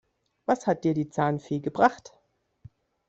Was hat dir die Zahnfee gebracht?